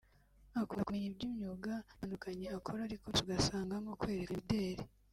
Akunda kumenya by’imyuga itandukanye akora ariko byose ugasanga nko kwerekana imideli